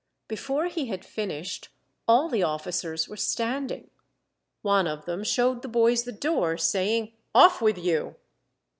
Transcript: Before he had finished, all the officers were standing. One of them showed the boys the door, saying, — ''Off with you!"